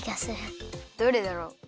どれだろう。